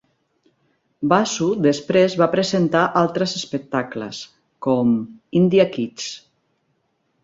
Basu després va presentar altres espectacles, com "India Quiz"